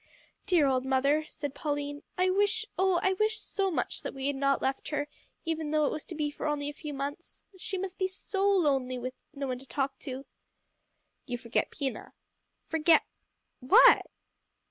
"Dear old mother!" said Pauline, "I wish oh! I wish so much that we had not left her, even though it was to be for only a few months. She must be so lonely, with no one to talk to " "You forget Pina." "Forget what?"